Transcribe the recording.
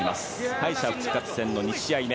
敗者復活戦の２試合目。